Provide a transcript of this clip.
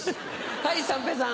はい三平さん。